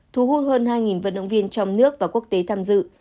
thú hôn hơn hai vận động viên trong nước và quốc tế tham gia